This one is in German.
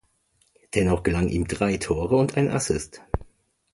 Dennoch gelangen ihm drei Tore und ein Assist.